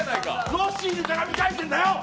ロッシーに手紙、書いたんだよ！